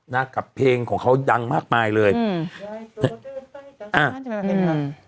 นักกับเพลงของเขาดังมากมายเลยอืมอ่าอืมอืม